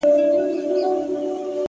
ستا دهر توري په لوستلو سره-